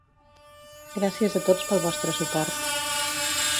Gràcies a tots pel vostre suport.